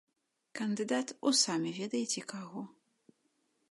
Кандыдат у самі ведаеце каго.